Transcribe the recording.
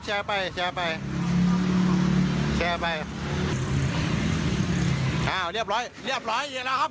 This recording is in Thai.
แชร์ไปแชร์ไปแชร์ไปอ้าวเรียบร้อยเรียบร้อยแล้วครับ